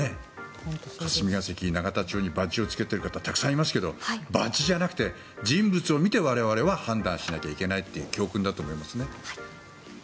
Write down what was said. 霞が関、永田町にバッジを着けている方はたくさんいますけどバッジじゃなくて人物を見て、我々は判断しなきゃいけないという教訓だと思います。